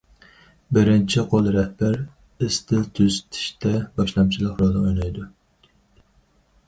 بىرىنچى قول رەھبەر ئىستىل تۈزىتىشتە باشلامچىلىق رولىنى ئوينايدۇ.